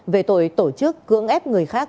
về tội tổ chức cưỡng ép